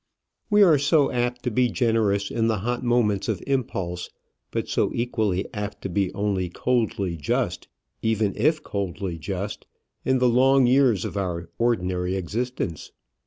We are so apt to be generous in the hot moments of impulse; but so equally apt to be only coldly just, even if coldly just, in the long years of our ordinary existence.